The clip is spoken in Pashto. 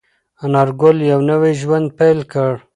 انارګل یو نوی ژوند پیل کړ.